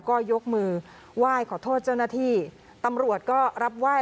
ก็ยกมือไหว้ขอโทษเจ้าหน้าที่ตำรวจก็รับไหว้